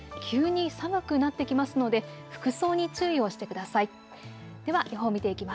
急に寒くなってきますので服装に注意をしてください。